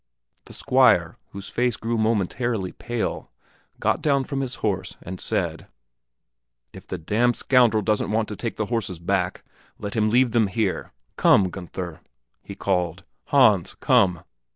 The Squire, whose face grew momentarily pale, got down from his horse and said, "If the d d scoundrel doesn't want to take the horses back, let him leave them here. Come, Gunther!" he called; "Hans, come!"